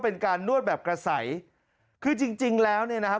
เป็นการนวดแบบกระใสคือจริงจริงแล้วเนี่ยนะครับ